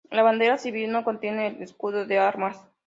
La bandera civil no contiene el escudo de armas.